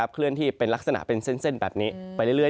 เคลื่อนที่เป็นลักษณะเป็นเส้นแบบนี้ไปเรื่อย